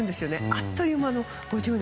あっという間の５０年。